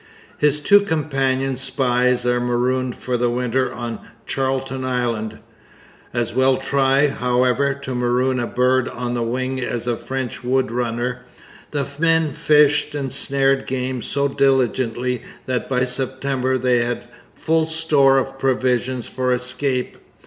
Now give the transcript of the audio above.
His two companion spies are marooned for the winter on Charlton Island. As well try, however, to maroon a bird on the wing as a French wood runner. The men fished and snared game so diligently that by September they had full store of provisions for escape.